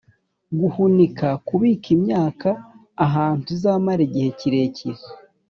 guhunika: kubika imyaka ahantu izamara igihe kirekire.